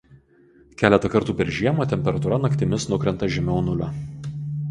Keletą kartų per žiemą temperatūra naktimis nukrenta žemiau nulio.